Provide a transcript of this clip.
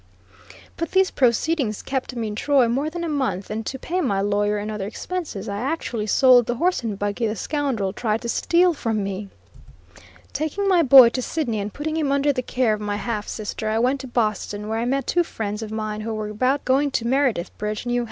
But these proceedings kept me in Troy more than a month, and to pay my lawyer and other expenses, I actually sold the horse and buggy the scoundrel tried to steal from me. Taking my boy to Sidney and putting him under the care of my half sister, I went to Boston, where I met two friends of mine who were about going to Meredith Bridge, N.H.